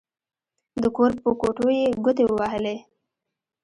د کور په کوټو يې ګوتې ووهلې.